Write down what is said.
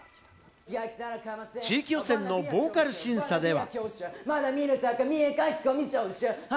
地域予選のボーカル審査では。